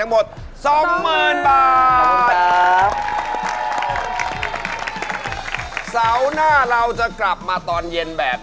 อันดุษย์สวรรค์ไทยสมรบูม